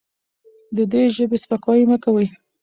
د دې ژبې سپکاوی مه کوئ.